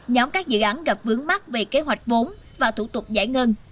nhóm các dự án gặp vướng mắt về kế hoạch vốn và thủ tục giải ngân